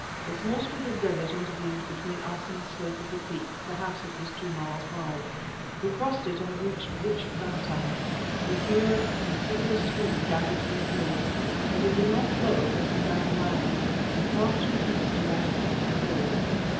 A small strip of desert intervened between us and the slope of the peak—perhaps it was two miles wide. We crossed it and reached rich grass lands, for here a considerable stream gathered from the hills; but it did not flow across the barren lands, it passed to the east along the foot of the hills.